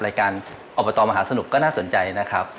รายการอบตมหาสนุกก็น่าสนใจนะครับ